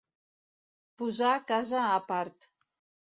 Posar casa a part.